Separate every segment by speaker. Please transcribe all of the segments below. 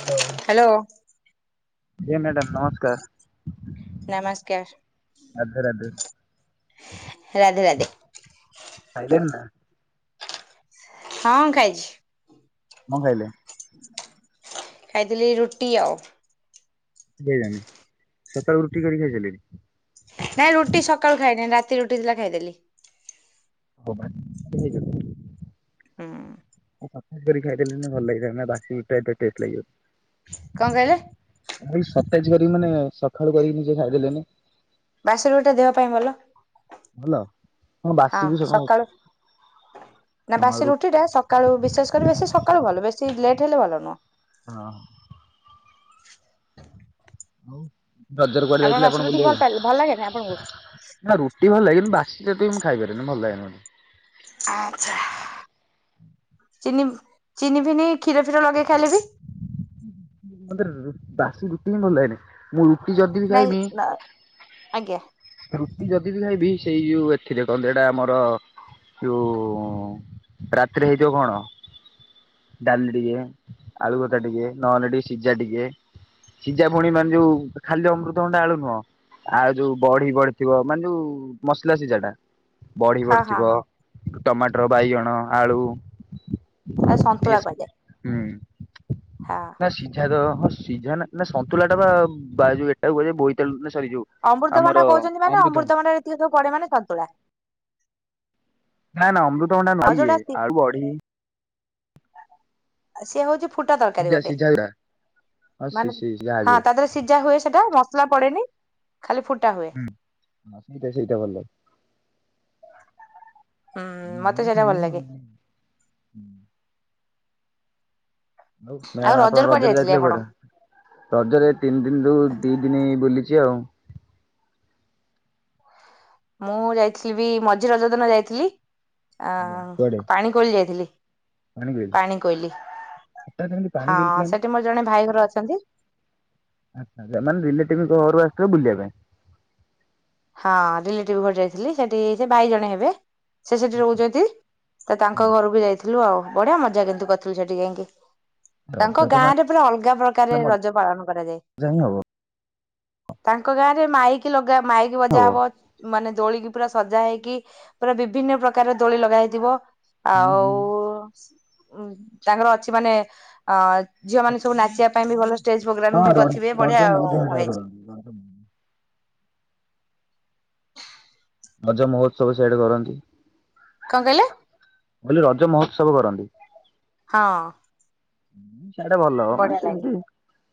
Speaker 1: Hello.
Speaker 2: Hello.
Speaker 1: Madam, ନମସ୍କାର୍।
Speaker 2: ନମସ୍କାର୍,
Speaker 1: ରାଧେ ରାଧେ
Speaker 2: ରାଧେ ରା
Speaker 1: [inaudible]
Speaker 2: ହଁ, ଖାଇଛି।
Speaker 1: [inaudible]
Speaker 2: ଖାଇଥିଲି ରୁଟି ଆଉ
Speaker 1: ସକାଳୁ ରୁଟି କରି ଖାଇ ସାଇଲେଣି।
Speaker 2: ଏଁ ରୁଟି ସକାଳୁ ଖାଇନି, ରାତି ରୁଟି ଥିଲା ଖାଇଦେଲି।
Speaker 1: [unintelligible]
Speaker 2: [inaudible]
Speaker 1: [unintelligible]
Speaker 2: [inaudible]
Speaker 1: କରି ମାନେ ସଖାଳୁ କରିକି ନିଜେ ଖାଇ ଦେଲେନି।
Speaker 2: ବାସି ରୁ ଟା ଦେହ ପାଇଁ ଭଲ।
Speaker 1: ଭଲ
Speaker 2: ହଁ ସକାଳୁ, ନା
Speaker 1: ହଁ
Speaker 2: ବାସି
Speaker 1: ରୁ
Speaker 2: ରୁଟି ଟା ସ ସକାଳୁ ବିଶାସ୍‌ କରିବେ, ସେ ବେଶୀ ସକାଳୁ ଭଲ ବେଶୀ ଲେଟ୍ ହେଲେ ଭଲ ନୁ।
Speaker 1: [inaudible] [unintelligible] ନା
Speaker 2: ଆପଣ ବାସି ରୁଟି ଭଲ ପାଇଲେ ଭଲ ଲାଗେନି ଆପଣଙ୍କୁ
Speaker 1: ରୁଟି ଭଲ୍ ଲାଗେ, ବାସି ରୁଟି ମୁଁ ଖାଇ ପାରିବିନି, ଭଲ୍ ଲାଗେନି
Speaker 2: ଚିନି ଚିନି ଫିନି କ୍ଷୀର ଫିର ଲଗେଇ ଖାଇଲେ ବି
Speaker 1: ବାସି ରୁଟି ହିଁ ଭଲ୍ ଲାଗେନି। ମୁଁ ରୁଟି ଯଦି ବି ଖାଇବି
Speaker 2: [inaudible]
Speaker 1: ରୁଟି ଯଦି ବି ଖାଇବି, ସେଇ ଯଉ ଏଥିରେ ହେଟା ଆମର ରାତିରେ ହେଇଥିବ କ'ଣ ଡ଼ାଲି ଟିକେ ଆଳୁ ଭର୍ତ୍ତା ଟିକେ ନହନେ ଟିକେ ସିଜା ଟିକେ। ସିଜା ପୁଣି ମାନ୍‌ ଯଉ ଖାଲି ଅମୃତଭଣ୍ଡା ଆଳୁ ନୁହଁ। ଆ ଯଉ ବଢ଼ି ପଡ଼ିଥିବ, ମାନେ ଯଉ ମସ୍‌ଲା ସିଜା ଟା ବଢ଼ି
Speaker 2: ହଁ ହଁ
Speaker 1: ପଡ୍‌ଥିବ।
Speaker 2: ହଁ
Speaker 1: ଟମାଟ୍ର, ବାଇଗଣ, ଆଳୁ।
Speaker 2: ସନ୍ତୁଳା
Speaker 1: ଟିକେ
Speaker 2: କୁହାଯାଏ।
Speaker 1: ହୁଁ,
Speaker 2: ହଁ।
Speaker 1: ନା ସିଝା ତ ସିଝା ନା ସନ୍ତୁଲା ଟା [inaudible]
Speaker 2: ଅ--ତ ଭଣ୍ଡା କହୁଚନ୍ତି ମାନେ,
Speaker 1: ଅମୃତଭଣ୍ଡା
Speaker 2: ଅ--ତ ଭଣ୍ଡାରେ ଏତିକ ସବୁ ପଡ଼େ ମାନେ ସନ୍ତୁଳା। ଆଉ ଯୋଉଟା
Speaker 1: [unintelligible]
Speaker 2: ସିଏ ହଉଚି ଫୁଟା ତର୍କାରୀ
Speaker 1: ସିଝା
Speaker 2: ଗୋଟେ।
Speaker 1: ସିଝା ଗୁରା ହଁ ସି
Speaker 2: ମାନେ
Speaker 1: ସି ଯାହା
Speaker 2: ହଁ
Speaker 1: ଯୋଉ
Speaker 2: ତା ସିଜା ହୁଏ ସେଟା, ମସ୍‌ଲା ପଡ଼େନି ଖାଲି ଫୁଟା ହୁଏ।
Speaker 1: ହଁ ସେଇଟା ସେଇଟା ଭଲ୍‌ ଲାଗେ।
Speaker 2: ହୁଁ ମତେ ସେଇଟା ଭଲ ଲାଗେ
Speaker 1: [unintelligible]
Speaker 2: ଆଉ
Speaker 1: ମ୍ୟାମ୍, ଆପଣ
Speaker 2: କୁଆଡେ
Speaker 1: ରଜରେ ଯାଇଥିଲେ
Speaker 2: ଆପଣ?
Speaker 1: କୁଆଡ଼େ? ରଜରେ ତିନ୍ ରୁ ଦି ଦିନି ବୁଲିଚି ଆଉ।
Speaker 2: ମୁଁ ଯାଇଥିଲି ବି ମଝି ରଜ ଦିନ ଯାଇଥିଲି,
Speaker 1: ଆଜ୍ଞା। କୁଆଡେ
Speaker 2: ଆଁ ପାଣି କୋଇଲି ଯାଇଥିଲି।
Speaker 1: ପାଣିକୋଇଲି?
Speaker 2: ପାଣି କୋଇଲି,
Speaker 1: ହଠାତ୍ ଏମିତି
Speaker 2: ହଁ
Speaker 1: ପାଣିକୋଇଲି ପ୍ଲାନ୍?
Speaker 2: ସେଠି ମର୍ ଜଣେ ଭାଇ ଘର ଅଛନ୍ତି।
Speaker 1: ମାନେ ରିଲେଟିପ୍ ଘରୁ ଆ ଥିବେ, ବୁଲିବା ପାଇଁ।
Speaker 2: ହଁ ରିଲେଟି ଘର ଯାଇଥିଲି, ସେଟି ସେ ଭାଇ ଜଣେ ହେବେ। ସେ ସେଟି ରହୁଚନ୍ତି, ତାଙ୍କ ଘରକୁ ଯାଇଥିଲୁ ଆଉ ବଢ଼ିଆ ମଜା କିନ୍ତୁ କର୍ ଥିଲୁ ସେଠି ଯାଇଁକି।
Speaker 1: ରଜ
Speaker 2: ତାଙ୍କ
Speaker 1: ତ
Speaker 2: ଗାଁ
Speaker 1: ମାନେ
Speaker 2: ରେ ପୁରା ଅଲଗା ପ୍ରକାରେ
Speaker 1: ମଜା
Speaker 2: ରଜ ପାଳନ କରାଯାଏ।
Speaker 1: ହିଁ ହବ
Speaker 2: ତାଙ୍କ ଗାଁରେ ମାଇକି ଲଗା ମାଇକି ବଜା ହବ। ମାନେ ଦୋଳି ପୁରା ସଜା ହେଇକି, ପୁରା ବିଭିନ୍ନ ପ୍ରକାର ଦୋଳି ଲଗା ହେଇଥିବ।
Speaker 1: ହୁଁ
Speaker 2: ଆଉ
Speaker 1: ହୁଁ
Speaker 2: ତାଙ୍କର ଅଛି ମାନେ, ଝିଅ ମାନେ ସବୁ ନାଚିବା ପାଇଁ ବି ଜ୍‌ ପ୍ରୋଗ୍ରାମ୍
Speaker 1: ହଁ
Speaker 2: ବି
Speaker 1: ର
Speaker 2: କର୍ ଥିବେ,
Speaker 1: ରଜ
Speaker 2: ବଢ଼ିଆ
Speaker 1: ମଉଜ
Speaker 2: ଆଉ ହେଇଚି।
Speaker 1: [unintelligible] ରଜ ମହୋତ୍ସବ ସିଆଡ଼େ କରନ୍ତି।
Speaker 2: କଣ କହିଲେ?
Speaker 1: ଆଉ ରଜ ମହୋତ୍ସବ କରନ୍ତି।
Speaker 2: ହଁ।
Speaker 1: ସିଆଡ଼େ ଭଲ ହବ
Speaker 2: ବଢିଆ ଲାଗେ
Speaker 1: ସେମତି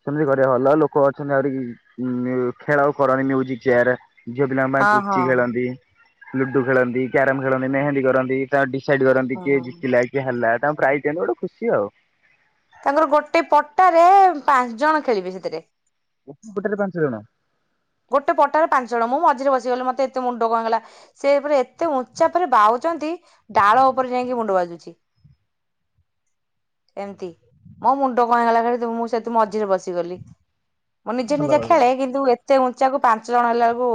Speaker 1: ସେମିତି ଘରେ ଭଲ ଲୋକ ଅଛନ୍ତି ଆହୁରି ଖେଳ କରନ୍ତି ମ୍ୟୁଜିକ ଚେୟାର। ଝିଅ ପିଲାମାନେ
Speaker 2: ହଁ ହଁ
Speaker 1: ପୁଚି ଖେଳନ୍ତି ଲୁଡୁ ଖେଳନ୍ତି କ୍ୟାରମ ଖେଳନ୍ତି ମେହେନ୍ଦୀ କରନ୍ତି। ତା ଡିସାଇଡ କରନ୍ତି କିଏ
Speaker 2: ହଁ।
Speaker 1: ଜିତିଲା କିଏ ହେଲା ତାଙ୍କୁ ପ୍ରାଇଜ୍ ଦିଅନ୍ତି ଗୋଟେ ଖୁସି ଆଉ
Speaker 2: ତାଙ୍କର ଗୋଟେ ପଟାରେ ପାଞ୍ଚ ଜଣ ଖେଳିବି ସେଥିରେ
Speaker 1: ଗୋଟେ ପଟାରେ ପାଞ୍ଚଜଣ।
Speaker 2: ଗୋଟେ ପଟାରେ ପାଞ୍ଚ ଜଣ ମୁଁ ମଝିରେ ବସିଗଲି ମତେ ଏତେ ମୁଣ୍ଡ କଣ ହେଇଗଲା? ସେପରା ଏତେ ଉଞ୍ଚା ପରେ ବାଉଛନ୍ତି ଡାଳ ଉପରେ ଯାଇକି ମୁଣ୍ଡ ବାଜୁଛି
Speaker 1: [inaudible]
Speaker 2: ଏମିତି ମୋ ମୁଣ୍ଡ କଣ ହୋଇଗଲା ମୁଁ ସେଠି ମଝିରେ ବସିଗଲି ମୁଁ ନିଜେ
Speaker 1: ଭଲ
Speaker 2: ନିଜେ
Speaker 1: ଭଲ।
Speaker 2: ଖେଳେ କିନ୍ତୁ ସେ ଉଞ୍ଚା କୁ ପାଞ୍ଚ ଜଣ ହେଲା ବେଳକୁ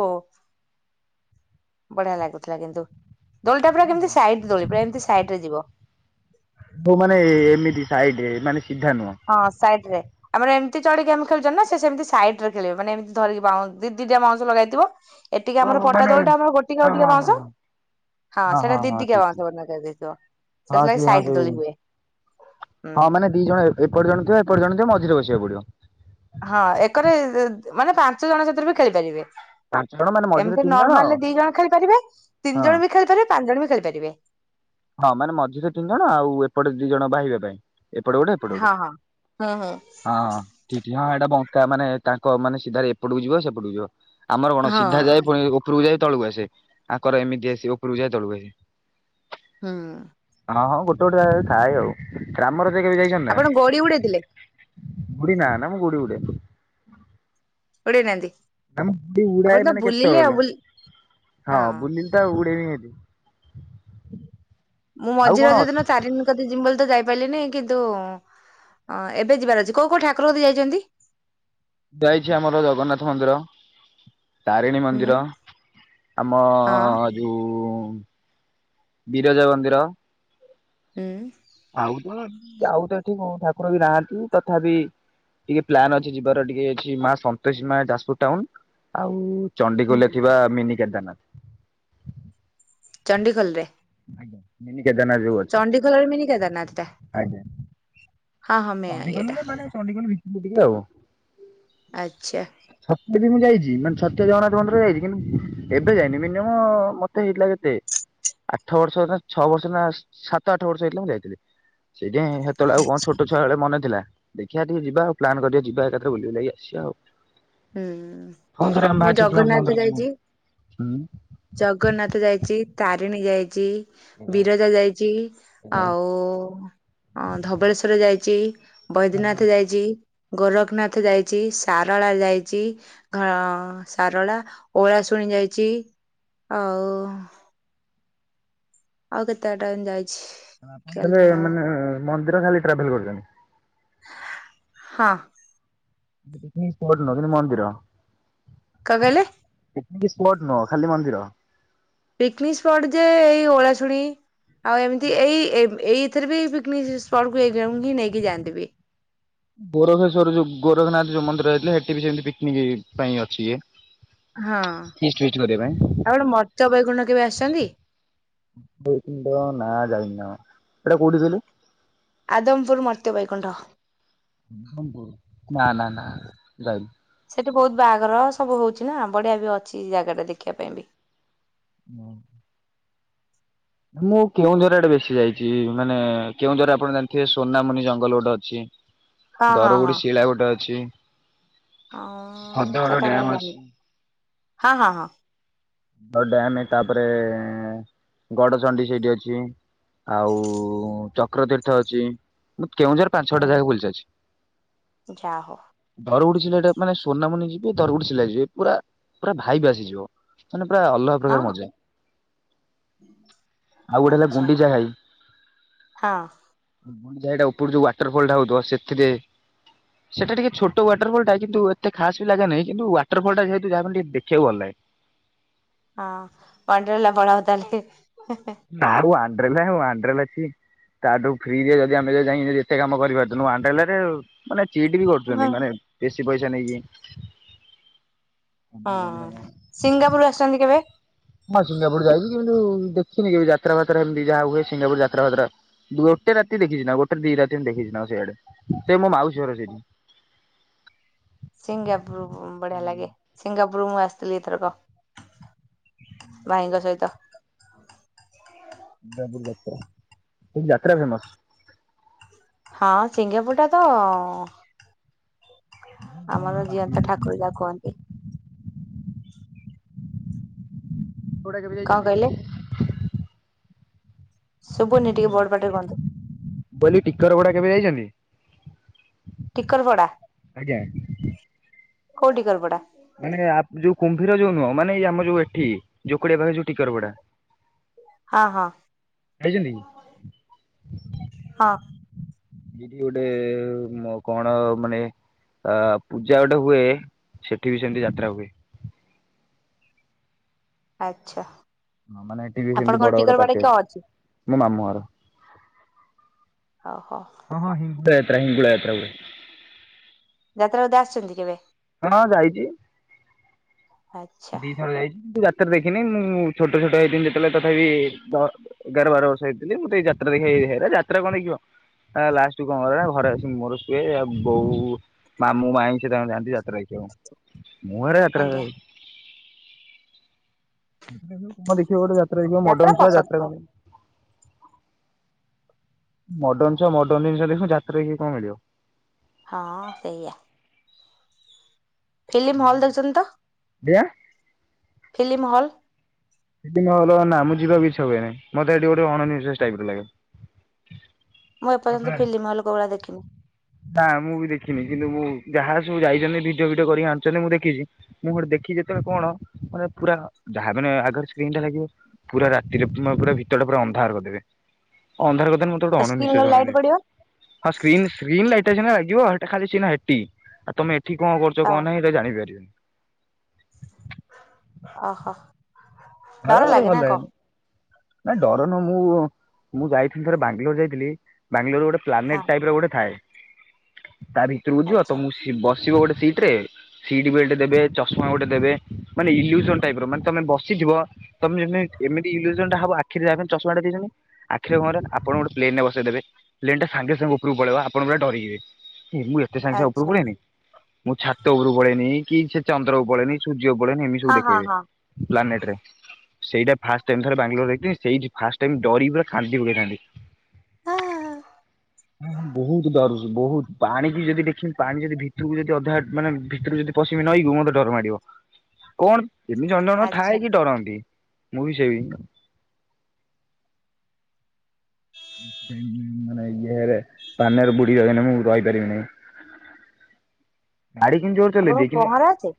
Speaker 2: ବଢିଆ ଲାଗୁଥିଲା କିନ୍ତୁ ଦୋଳିଟା ପା କେମିତି ସାଇଡରେ ଦୋଳି ପୁରା ଏମିତି ସାଇଡରେ ଯିବ
Speaker 1: ଯୋଉମାନେ ଏମିତି ସାଇଡ ମାନେ ସିଧା ନୁହଁ
Speaker 2: ହଁ ସାଇଡରେ। ଆମର ଏମିତି ଚଳେ ଗେମ୍ ଖେଳୁଛନ୍ତି ନା ସେମିତି ସାଇଡରେ ଖେଳିବ ମାନେ ଏମିତି ଧରିକି ଦି ଦିଟା ବାଉଁଶ ଲଗାଇଥିବ ଏଠିକେ ଆମର
Speaker 1: ଓହୋ
Speaker 2: ପଟା
Speaker 1: ମାନେ
Speaker 2: ଦୋଳିଟା ଆମର ଗୋଟିକା
Speaker 1: ହଁ
Speaker 2: ଗୋଟିକେ
Speaker 1: ହଁ ହଁ।
Speaker 2: ବାଉଁଶ ହଁ ସେଇଟା
Speaker 1: ହଁ
Speaker 2: ଦିଟିକିଆ
Speaker 1: ଠିକ
Speaker 2: ବାଉଁଶ
Speaker 1: ଠିକ
Speaker 2: ବନ୍ଧା କରିଦେଇଥିବ
Speaker 1: ହଁ ସେ
Speaker 2: ସେଥିଲାଗି
Speaker 1: ହଁ
Speaker 2: ସାଇଟ୍
Speaker 1: ସେ
Speaker 2: ଦୋଳି ହୁଏ
Speaker 1: ହଁ
Speaker 2: ହୁଁ।
Speaker 1: ମାନେ ଦି ଜଣ ଏପଟ ଜଣେ ଥିବ ଏପଟେ ଜଣେ ଥିବ ମଝିରେ ବସିବାକୁ ପଡିବ।
Speaker 2: ହଁ ଏକରେ ମାନେ ପାଞ୍ଚ ଜଣ ସେଥିରେ ବି ଖେଳିପାରିବେ।
Speaker 1: ପାଞ୍ଚ ଜଣ ମାନେ ମଝିରେ
Speaker 2: ଏମିତି
Speaker 1: ତିନି ଜଣ
Speaker 2: ନର୍ମାଲରେ
Speaker 1: ହଁ
Speaker 2: ଦି ଜଣ ଖେଳିପାରିବେ ତିନି ଜଣ ବି ଖେଳିପାରିବେ ପାଞ୍ଚ ଜଣ ବି ଖେଳିପାରିବେ।
Speaker 1: ହଁ ମାନେ ମଝିରେ ତିନି ଜଣ ଆଉ ଏପଟେ ଦି ଜଣ ବାହିବା ପାଇଁ ଏପଟେ ଗୋଟେ ଏପଟେ ଗୋଟେ
Speaker 2: ହଁ ହଁ।
Speaker 1: ହଁ। ଠ ହଁ ଏଇଟା ବଙ୍କା ମାନେ ତାଙ୍କ ମାନେ ସିଧାରେ ଏପଟକୁ ଯିବ ସେପଟକୁ ଯିବ ଆମର କଣ
Speaker 2: ହଁ
Speaker 1: ସିଧା ଯାଏ ପୁଣି ଉପରକୁ ଯାଏ ତଳକୁ ଆସେ ଆଙ୍କର ଏମିତି ଆସି ଉପରକୁ ଯାଇ ତଳକୁ ଆସେ
Speaker 2: ହଁ।
Speaker 1: ହଁ ହଁ ଗୋଟେ ଗୋଟେ ଜାଗାରେ ଥାଏ ଆଉ ଗ୍ରାମର ଯ କେବେ ଯାଇଛନ୍ତି
Speaker 2: ଆପଣ ଗୋଡି ଉଡେଇଥିଲେ
Speaker 1: ନା? ଗୁଡି ନା ନା ମୁଁ ଗୁଡ଼ି ଉଡ଼େନି
Speaker 2: ଉଡେଇ ନାହାନ୍ତି।
Speaker 1: ଆମ
Speaker 2: ଆପଣ
Speaker 1: ଉଡାଏ
Speaker 2: ତ
Speaker 1: ମାନେ
Speaker 2: ବୁଲିଲେ ଆଉ
Speaker 1: କେତେବେଳେ
Speaker 2: ବୁଲି
Speaker 1: ହଁ ବୁଲି ଉଡେ ନି ଏତେ
Speaker 2: ମୁଁ ମଝିରେ ଯଦିନ ଚାରିିନ ଜିମି ବୋଲି ତ ଯାଇପାରିଲିନି କିନ୍ତୁ ଅ ଏବେ ଯିବାର ଅଛି କୋଉ କୋଉ ଠାକୁରଙ୍କଠି ଯାଇଛନ୍ତି?
Speaker 1: ଯାଇଛି ଆମର ଜଗନ୍ନାଥ ମନ୍ଦିର। ତାରିଣୀ
Speaker 2: ହୁଁ
Speaker 1: ମନ୍ଦିର ଆମ
Speaker 2: ହଁ
Speaker 1: ଯୋଉ ବିରଜା ମନ୍ଦିର।
Speaker 2: ହୁଁ।
Speaker 1: ଆଉ ତ ଆଉ ତ ଏଠି କୋଉ ଠାକୁର ବି ନାହାନ୍ତି ତଥାପି ଟିକେ ପ୍ଲାନ ଅଛି ଯିବାର ଟିକେ ଅଛି ମା ସନ୍ତୋଷୀ ମା ଯାଜପୁର ଟାଉନ ଆଉ ଚଣ୍ଡିଖୋଲରେ
Speaker 2: ହୁଁ
Speaker 1: ଥିବା ମିନି କେଦାରନାଥ
Speaker 2: ଚଣ୍ଡିଖୋଲରେ?
Speaker 1: ଆଜ୍ଞା ମିନି କେଦାରନାଥ ଯୋଉ ଅଛି।
Speaker 2: ଚଣ୍ଡିଖୋଲରେ ମିନିକେଦାରନାଥଟା।
Speaker 1: ଚଣ୍ଡୀଖୋଲରେ ମାନେ ଚଣ୍ଡିଖୋଲ ଭିତରକୁ ଟିକେ ଆଉ
Speaker 2: ଆଚ୍ଛା।
Speaker 1: ଛତିଆ ବି ମୁଁ ଯାଇଛି। ମାନେ ଛତିଆ ଜଗନ୍ନାଥ ମନ୍ଦିର ଯାଇଛି। କିନ୍ତୁ ଏବେ ଯାଇନି ମିନିମମ଼ ମତେ ହେଇଥିଲା କେତେ, ଆଠ ବର୍ଷ ନା ଛଅ ବର୍ଷ ନା ସାତ ଆଠ ବର୍ଷ ହେଇଥିଲା ମୁଁ ଯାଇଥିଲି। ସେଥିପାଇଁ ହେତେବେଳେ ଆଉ କଣ
Speaker 2: ଆଚ୍ଛା।
Speaker 1: ଛୋଟ ବେଳେ ମନେ ଥିଲା। ଦେଖିବା ଟିକେ ଯିବା ଆଉ ପ୍ଲାନ୍ କରିବା ଯିବା ଏକାଥରେ ବୁଲି ବୁଲାକି ଆସିବା ଆଉ।
Speaker 2: ହୁଁ
Speaker 1: ଫୋନ୍
Speaker 2: ମୁଁ ଜଗନ୍ନାଥ ଯାଇଛି
Speaker 1: ହୁଁ।
Speaker 2: ଜଗନ୍ନାଥ ଯାଇଛି, ତାରିଣୀ ଯାଇଛି, ବିରଜା ଯାଇଛି ଆଉ ଅ ଧବଳେଶ୍ଵର ଯାଇଛି, ବୈଦ୍ୟନାଥ ଯାଇଛି, ଗୋରଖନାଥ ଯାଇଛି, ସାରଳା ଯାଇଛି, ଘ ସାରଳା ଓଳାଶୁଣୀ ଯାଇଛି ଆଉ ଆଉ କେତେ ବାଟ ଏନ୍ତି ଯାଇଛି।
Speaker 1: ଆପଣ
Speaker 2: ଖିଆଲ ନାହିଁ
Speaker 1: ତାହେଲେ
Speaker 2: ଆଉ
Speaker 1: ମାନେ ମନ୍ଦିର ଖାଲି ଟ୍ରାଭେଲ କରିଛନ୍ତି।
Speaker 2: ହଁ।
Speaker 1: [unintelligible] ମନ୍ଦିର।
Speaker 2: କଣ କହିଲେ?
Speaker 1: ପିକନିକ ସ୍ପଟ ନୁହଁ ଖାଲି ମନ୍ଦିର?
Speaker 2: ପିକନିକ ସ୍ପଟ ଯେ ଏଇ ଓଳାଶୁଣୀ ଆଉ ଏମିତି ଏଇ ଏ ଏଇଥିରେ ବି ପିକନିକ ସ୍ପଟ୍ କୁ ନେଇିକି ଯାଆନ୍ତି ବି।
Speaker 1: ଗୋରଖେଶ୍ଵର ଯୋଉ ଗୋରଖନାଥ ଯୋଉ ମନ୍ଦିର ଯାଇଥିଲେ ସେଠି ବି ସେମିତି ପିକନିକ ପାଇଁ ଅଛି ଇଏ।
Speaker 2: ହଁ।
Speaker 1: ଫିଷ୍ଟ ଫିଷ୍ଟ କରିବା ପାଇଁ।
Speaker 2: ଆଉ ଗୋଟେ ମର୍ତ୍ତ୍ୟବୈକୁଣ୍ଠ କେବେ ଆସିଛନ୍ତି?
Speaker 1: ମର୍ତ୍ତ୍ୟବୈକୁଣ୍ଠ ନା ଯାଇନି ନା କଣ। ସେଇଟା କୋଉଠି କହିଲେ?
Speaker 2: ଆଦମ ପୁର ମର୍ତ୍ତ୍ୟବୈକୁଣ୍ଠ।
Speaker 1: ଆଦମ ପୁର ନା ନା ନା ଯାଇନି।
Speaker 2: ସେଠି ବହୁତ ବାହାଘର ସବୁ ହଉଛି ନା ବଢ଼ିଆ ବି ଅଛି ଜାଗା ଟା ଦେଖିବା ପାଇଁ ବି।
Speaker 1: ହଁ। ମୁଁ କେଉଁଝର ଆଡ଼େ ବେଶି ଯାଇଛି। ମାନେ କେଉଁଝରରେ ଆପଣ ଜାଣିଥିବେ ସୋନାମଣି ଜଙ୍ଗଲ ଗୋଟେ ଅଛି।
Speaker 2: ହଁ ହଁ
Speaker 1: ଦରଗୁଡି ଶିଳା ଗୋଟେ ଅଛି।
Speaker 2: ଆଁ
Speaker 1: ହ୍ରଦଗଡ
Speaker 2: ସେଟା କାଇଁ
Speaker 1: ଡ୍ୟାମ
Speaker 2: ଜାଣିନି,
Speaker 1: ଅଛି।
Speaker 2: ହଁ ହଁ ହଁ।
Speaker 1: ଆଉ ଡ୍ୟାମ୍ ତାପରେ, ଗଡଚଣ୍ଡୀ ସେଇଠି ଅଛି। ଆଉ ଚକ୍ରତୀର୍ଥ ଅଛି। ମୁଁ କେଉଁଝରରେ ପାଞ୍ଚ ଛଅଟା
Speaker 2: ହଁ
Speaker 1: ଜାଗା ବୁଲି ସାରିଛି।
Speaker 2: ଯା ହଉ।
Speaker 1: ଦରଗୁଡି ଶିଳାଟା ମାନେ ସୁନମଣି ଯିବେ ଦରଗୁଡି ଶିଳା ଯିବେ ପୁରା ପୁରା ଭାଇଵ୍ ଆସିଯିବ। ମାନେ ପୁରା ଅଲଗା
Speaker 2: ହଁ
Speaker 1: ପ୍ରକାର ମଜା। ଆଉ ଗୋଟେ ହେଲା
Speaker 2: ଆଚ୍ଛା
Speaker 1: ଗୁଣ୍ଡିଚା ଘାଇ।
Speaker 2: ହଁ।
Speaker 1: ଗୁଣ୍ଡିଚା ଘାଇ ଟା ଉପରୁ ଯୋଉ ୱାଟରଫଲଟା ହଉଥିବ ସେଥିରେ ସେଟା ଟିକେ ଛୋଟ ୱାଟରଫଲଟା କିନ୍ତୁ ଏତେ ଖାସ୍ ବି ଲାଗେ ନାହିଁ। କିନ୍ତୁ ୱାଟରଫଲଟା ଯେହେତୁ ଯାହା ବି ହେଲେ ଟିକେ ଦେଖିବାକୁ ଭଲ ଲାଗେ।
Speaker 2: ହଁ ୱାଣ୍ଡରଲା ପଳାଅ ତାହାଲେ।
Speaker 1: ନା ୱାଣ୍ଡରଲା, ୱାଣ୍ଡରଲା କିଏ? ତା ଠୁ ଫ୍ରିରେ ଯଦି ଆମେ ତ ଯାଇକି ଯଦି ଏତେ କାମ କରିପାରୁଚୁ ୱାଣ୍ଡରଲାରେ ମାନେ ଚିଟ୍ ବି କରୁଛନ୍ତି
Speaker 2: ହଁ
Speaker 1: ମାନେ ବେଶି ପଇସା ନେଇକି।
Speaker 2: ହଁ। ସିଙ୍ଗାପୁର ଆସିଛନ୍ତି କେବେ?
Speaker 1: ହଁ ସିଙ୍ଗାପୁର ଯାଇଛି। କିନ୍ତୁ ଦେଖିନି କେବେ ଯାତ୍ରା ପାତ୍ରା ଏମିତି ଯାହା ହୁଏ ସିଙ୍ଗାପୁର ଯାତ୍ରା ପାତ୍ରା। ଗୋଟେ ରାତି ଦେଖିଚି ନା ଗୋଟେ ଦି ରାତି ଏମିତି ଦେଖିଚି ନା ସେଇଆଡ଼େ ସେ ମୋ ମାଉସୀର ସେଇଠି।
Speaker 2: ସିଙ୍ଗାପୁର ବଢ଼ିଆ ଲାଗେ। ସିଙ୍ଗାପୁର ମୁଁ ଆସିଥିଲି ଏଥରକ। ଭାଇଙ୍କ ସହିତ।
Speaker 1: ସିଙ୍ଗାପୁର ଯାତ୍ରା ସେଠି ଯାତ୍ରା ଫେମସ।
Speaker 2: ହଁ ସିଙ୍ଗାପୁର ଟା ତ ଆମର ଜିଅନ୍ତା ଠାକୁର ଯାହକୁ କହନ୍ତି।
Speaker 1: [unintelligible] କେବେ
Speaker 2: କଣ କହିଲେ
Speaker 1: ଯାଇଚନ୍ତି?
Speaker 2: ଶୁଭୁନି, ଟିକେ ବଡ ପାଟିରେ କୁହନ୍ତୁ।
Speaker 1: [unintelligible] ଟିକରପଡା କେବେ ଯାଇଚନ୍ତି?
Speaker 2: ଟିକରପଡା, କୋଉ ଟିକରପଡା?
Speaker 1: ମାନେ ଆପ୍ ଯୋଉ କୁମ୍ଭୀର ଯୋଉ ନୁହଁ, ମାନେ ଏଇ ଆମ ଯୋଉ ଏଠି ଯୋକଡିଆ ପାଖରେ ଯୋଉ ଟିକରପଡା,
Speaker 2: ହଁ ହଁ
Speaker 1: ଯାଇଛନ୍ତି କି?
Speaker 2: ହଁ।
Speaker 1: ସେଇଠି ଗୋଟେ ମ କଣ ମାନେ ଅ ପୂଜା ଗୋଟେ ହୁଏ, ସେଠି ବି ସେମ୍ତି ଯାତ୍ରା ହୁଏ।
Speaker 2: ଆଚ୍ଛା।
Speaker 1: ହଁ ମାନେ ଏଠି ବି ସେମ୍ତି
Speaker 2: ଆପଣଙ୍କର
Speaker 1: ବଡ-ବଡ
Speaker 2: ଟିକରବାଡି
Speaker 1: ପାର୍ଟି
Speaker 2: କ
Speaker 1: ଅଛି ମୋ ମାମୁଁ ଘର।
Speaker 2: ହ-ହ।
Speaker 1: ହଁ-ହଁ ହିଙ୍ଗୁଳା ଯାତ୍ରା ହିଙ୍ଗୁଳା ଯାତ୍ରା ହୁଏ।
Speaker 2: ଯାତ୍ରା ବୋଧେ ଆସିଚନ୍ତି କେବେ?
Speaker 1: [unintelligible] ଯାଇଚି
Speaker 2: ଆଚ୍ଛା
Speaker 1: ଦି ଥର ଯାଇଚି କିନ୍ତୁ ଯା ତ୍ରା ଦେଖିନି, ମୁଁ ଛୋଟ-ଛୋଟ ହେଇଥିନି ଯେତେବେଳେ ତଥାପି ଦ ଏଗାର ବାର ବର୍ଷ ହେଇଥିଲି ମୁଁ ତ ଏଇ ଯାତ୍ରା ଦେଖେ, ହେରା ଯାତ୍ରା କଣ ଦେଖିବ। ଆ ଲାଷ୍ଟୁକୁ କଣ କରେ ନା ଘରେ ଆସିି ମୁଁ ମୋର ଶୁଏ ଆଉ ବୋଉ ମାମୁଁ ମାଇଁ ସେ ତାଙ୍କର ଯାଆନ୍ତି ଯା ତ୍ରା ଦେଖିବାକୁ, ମୁଁ ସେରା ଯାତ୍ରା
Speaker 2: ଆଜ୍ଞା
Speaker 1: ଫାତ୍ରା [unintelligible] ଦେଖିବ ଗୋଟେ ଯାତ୍ରା ଦେଖିବ ମଡର୍ନ ଛୁଆ
Speaker 2: ପସନ୍ଦ
Speaker 1: ଯାତ୍ରା
Speaker 2: ନୁହଁ
Speaker 1: କଣ। ମଡର୍ଣ୍ଣ ଛୁଆ ମଡର୍ଣ୍ଣ ଜିନିଷ ଦେଖିବ, ଯାତ୍ରା ଦେଖିକି କଣ ମିଳିବ।
Speaker 2: ହଁ ସେଇଆ। ଫିଲିମ୍ ହଲ୍ ଦେଖିଚନ୍ତି ତ?
Speaker 1: [unintelligible]
Speaker 2: Film hall.
Speaker 1: ସେଠି [unintelligible] ଯିବାକୁ ଇଚ୍ଛା ହୁଏନି, ମତେ ସେଠି ଗୋଟେ ଅନନିଶ୍ୱାସୀ ଟାଇପ୍ ର ଲାଗେ।
Speaker 2: ମୁଁ ଏପର୍ଯ୍ୟନ୍ତ ଫିଲିମ୍ ହଲ୍ କୋଉ ଭଳିଆ ଦେଖିନି।
Speaker 1: ନାଁ ମୁଁ ବି ଦେଖିନି କିନ୍ତୁ ମୁଁ ଯାହା ସବୁ ଯାଇଚନ୍ତି ଭିଡିଓ ଫିଡିଓ କରିକି ଆଣଚନ୍ତି ମୁଁ ଦେଖିଚି। ମୁଁ ଗୋଟେ ଦେଖିଛି ଯେତେବେଳେ କଣ ମାନେ ପୁରା ଯାହା ମାନେ ଆଗରେ ସ୍କ୍ରିନ୍ ଟା ଲାଗିବ। ପୁରା ରାତିରେ ପୁରା ଭିତରଟା ପୁରା ଅନ୍ଧାର କରିଦେବେ, ଅନ୍ଧାର କରିଦେଲେ ମ ତେ ଗୋଟେ
Speaker 2: ସ୍କ୍ରିନ୍ ର ଲାଇଟ୍
Speaker 1: ଅଣନିଶ୍ୱାସୀ
Speaker 2: ପଡିବ
Speaker 1: [unintelligible] ହଁ ସ୍କ୍ରିନ୍-ସ୍କ୍ରିନ୍ ଲାଇଟ୍ ଟା ସିନା ଲାଗିବ, ସେଟା ଖାଲିି ସିନା ହେଟି ଆଉ ତମେ ସେଠି କଣ କରୁଛ
Speaker 2: ହଁ
Speaker 1: କଣ ନାହିଁ ଏଟା ଜାଣିପାରିବେ।
Speaker 2: ଓହୋ। ଡର
Speaker 1: ମତେ-ମତେ
Speaker 2: ଲାଗେ ନା
Speaker 1: ଭଲ୍
Speaker 2: କଣ
Speaker 1: ଲାଗେନି। ନାଇଁ ଡର ନୁହଁ ମୁଁ-ମୁଁ ଯାଇଥିଲି ଥରେ ବାଙ୍ଗାଲୋର ଯାଇଥିଲି, ବାଙ୍ଗାଲୋରରେ ଗୋଟେ
Speaker 2: ହଁ
Speaker 1: ପ୍ଲାନେଟ୍ ଟାଇପ୍ ର ଗୋଟେ ଥାଏ, ତା ଭିତୁରକୁ ଯିବ
Speaker 2: ଆଚ୍ଛା
Speaker 1: ତମୁକୁ ବସିବ ଗୋଟେ ସିଟ୍ ରେ। ସିଟ୍ ବେଲ୍ଟ ଦେବେ, ଚଶମା ଗୋଟେ ଦେବେ, ମାନେ ଇଲ୍ୟୁଜନ୍ ଟାଇପ୍ ର ମାନେ ତମେ ବସିଥିବ ତମେ [unintelligible] ଏମତି ଇଲ୍ୟୁଜନ୍ ଟା ହବ ଆଖିରେ ଯାହାବି ହେଲେ ଚଷମା ଟା [unintelligible] ଆଖିରେ କଣ କରିବେ ଆପଣଙ୍କୁ ଗୋଟେ ପ୍ଲେନ୍ ରେ ବସେଇଦବେ, ପ୍ଲେନ୍ ଟା ସାଙ୍ଗେ-ସାଙ୍ଗେ ଉପରକୁ ପଳେଇବ ଆପଣ ପୁରା ଡରିଯିବେ। ଏ ମୁଁ ଏତେ ସାଙ୍ଗେ-ସାଙ୍ଗେ ଉପୁରୁକୁ
Speaker 2: ଆଚ୍ଛା
Speaker 1: ପଳେଇନି, ମୁଁ ଛାତ ଉପରୁ ପଳେଇନି କି ସେ ଚନ୍ଦ୍ରକୁ ପଳେଇନି ସୂର୍ଯ୍ୟକୁ ପଳେଇନି ଏମିତି ସବୁ
Speaker 2: ହଁ ହଁ
Speaker 1: ଦେଖେଇବେ
Speaker 2: ହଁ
Speaker 1: ପ୍ଲାନେଟ୍ ରେ। ସେଇଟା ଫାଷ୍ଟ ଟାଇମ୍ ଥରେ ବାଙ୍ଗାଲୋର [unintelligible] ସେଇଠି ଫାଷ୍ଟ ଟାଇମ୍ ଡରିକି ପୁରା କାନ୍ଦି ପକେଇଥାନ୍ତି। ବହୁତ୍ ଡରୁଚି ବହୁତ୍, ପାଣି ବି ଯଦି ଦେଖିବି ପାଣି ଯଦି ଭିତୁରୁକୁ ଯଦି ଅଧା ମାନେ ଭିତୁରୁକୁ ଯଦି ପଶିମି ନଈକୁ ମତେ ଡର ମାଡିବ, କଣ ଏମିତି ଜଣ ଜଣଙ୍କର
Speaker 2: ଆଚ୍ଛା
Speaker 1: ଥାଏ କି ଡରନ୍ତି, ମୁଁ ବି [unintelligible] ମାନେ ଇଏରେ [unintelligible] ବୁଡି [unintelligible] ମୁଁ ରହିପାରିବିନେଇଁ। ଗାଡି କିନ୍ତୁ ଜୋରେ ଚଲେଇ ଦିଏ
Speaker 2: ଆପଣଙ୍କୁ
Speaker 1: କିନ୍ତୁ
Speaker 2: ପହଁରା ଆସେ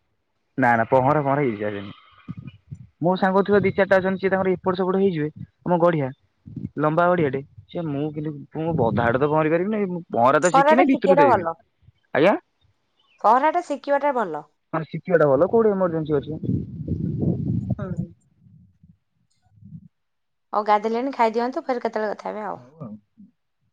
Speaker 1: ନା-ନା ପହଁରା ଫହଁରା କିଛି ଆସେନି। ମୋ ସାଙ୍ଗ ଛୁଆ ଦି ଚାରିଟା ଅଛନ୍ତି ସିଏ ତାଙ୍କର ଏପଟ ସେପଟ ହେଇଯିବେ, ଆମ ଗଢ଼ିଆ। ଲମ୍ବା ଗଡିଆଟେ। ସେ ମୁଁ କିନ୍ତୁ ମୁଁ ଅଧା ବାଟ ତ ପହଁରି ପାରିବିନି। ମୁଁ ପହଁରା ତ ଶିଖିନି
Speaker 2: ଟା
Speaker 1: ଭିତରୁ
Speaker 2: ଶିଖିବାଟା ଭଲ
Speaker 1: [unintelligible] ଆଜ୍ଞା।
Speaker 2: ପହଁରା ଟା ଶିଖିବାଟା ଭଲ
Speaker 1: ମାନେ ଶିଖିବା ଟା ଭଲ। କୋଉଠି ଏମର୍ଜେନ୍ସି ଅଛି।
Speaker 2: [unintelligible] ହଉ ଗାଧେଇ ଲେଣି ଖାଇଦିଅନ୍ତୁ। ଫେରେ କେତେବେଳେ କଥା ହେବେ ଆଉ।
Speaker 1: [unintelligible]